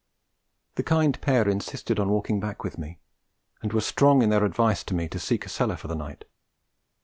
The kind pair insisted on walking back with me, and were strong in their advice to me to seek a cellar for the night.